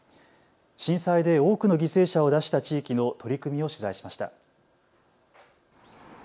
震災で多くの犠牲者を出した地域の取り組みを取材しました。